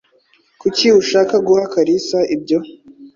Kuki ushaka guha Kalisa ibyo?